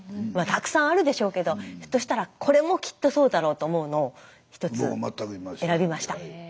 まあたくさんあるでしょうけどひょっとしたらこれもきっとそうだろうと思うのを１つ選びました。